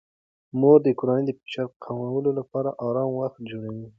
مور د کورنۍ د فشار کمولو لپاره د آرام وخت جوړوي.